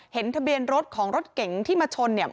เห็นทะเบียนรถของรถเก๋งที่มาชนเนี่ย